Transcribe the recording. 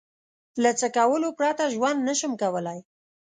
له څه کولو پرته ژوند نشم کولای؟